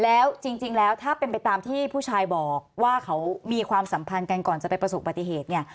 แล้วจริงแล้วถ้าเป็นไปตามที่ผู้ชายบอกว่าเขามีความสัมพันธ์กันก่อนจะไปประสบปฏิเหตุเนี่ย